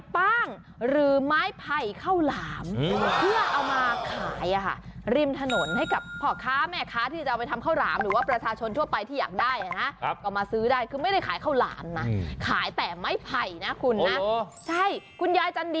เพื่อเอามาขายริมถนนให้กับพ่อค้าแม่ค้าที่จะเอาไปทำข้าวหลามหรือว่าประชาชนทั่วไปที่อย่างที่อยากทำให้ดูหน่อย